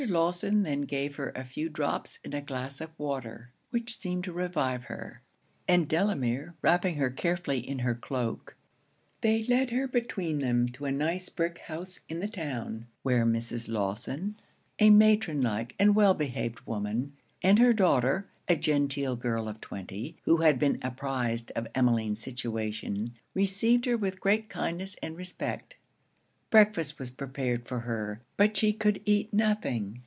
Lawson then gave her a few drops in a glass of water, which seemed to revive her; and Delamere wrapping her carefully in her cloak, they led her between them to a neat brick house in the town, where Mrs. Lawson, a matron like and well behaved woman, and her daughter, a genteel girl of twenty, who had been apprized of Emmeline's situation, received her with great kindness and respect. Breakfast was prepared for her, but she could eat nothing.